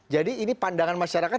jadi ini pandangan masyarakat